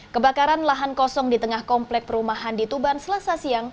kebakaran lahan kosong di tengah komplek perumahan di tuban selasa siang